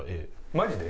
マジで？